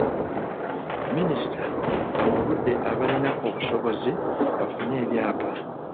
Minisita awabudde abalina obusobozi bafune ebyapa.